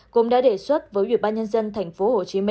cũng đã đề xuất với ubnd tp hcm